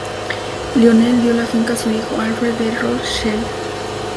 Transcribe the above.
Lionel dio la finca a su hijo Alfred de Rothschild.